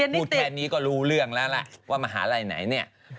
ถูกแทนนี้ก็รู้เรื่องแล้วว่ามหาวิทยาลัยไหน